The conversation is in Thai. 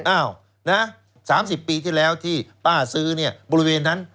อ้าวนะ๓๐ปีที่แล้วที่ป้าซื้อเนี่ยบริเวณนั้น